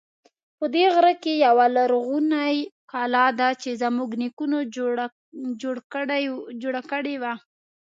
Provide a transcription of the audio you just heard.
په دې غره کې یوه لرغونی کلا ده چې زمونږ نیکونو جوړه کړی و